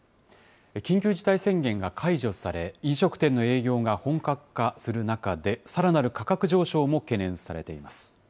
緊急事態宣言が解除され、飲食店の営業が本格化する中で、さらなる価格上昇も懸念されています。